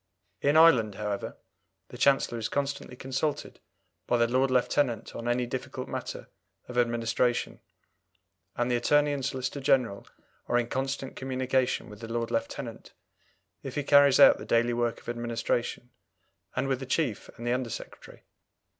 In Ireland, however, the Chancellor is constantly consulted by the Lord Lieutenant on any difficult matter of administration, and the Attorney and Solicitor General are in constant communication with the Lord Lieutenant, if he carries out the daily work of administration, and with the Chief and the Under Secretary.